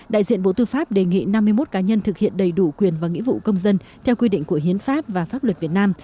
đại diện bộ tư pháp đề nghị năm mươi một cá nhân thực hiện đầy đủ quyền và nghĩa vụ công dân theo quy định của hiến pháp và pháp luật việt nam